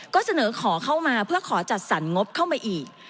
ก็เสนอขอเข้ามาเพื่อขอจัดสรรงบเข้ามาอีก